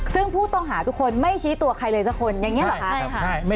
ซึ่งผู้ต้องหาทุกคนไม่ชี้ตัวใครเลยสักคนอย่างนี้หรอคะ